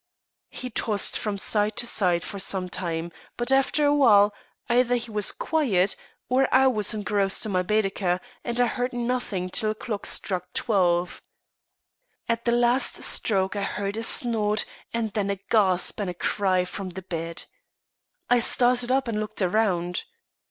He tossed from side to side for some time, but after a while, either he was quiet, or I was engrossed in my Baedeker, and I heard nothing till a clock struck twelve. At the last stroke I heard a snort and then a gasp and a cry from the bed. I started up, and looked round.